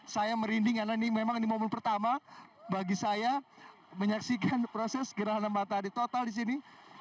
saya merinding karena ini memang momen pertama bagi saya menyaksikan proses gerahan mata adik total di sini